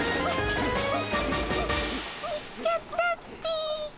行っちゃったっピ。